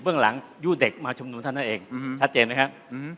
เรื่องหลังยู่เด็กมาชุมนุมเท่านั้นเองชัดเจนไหมครับ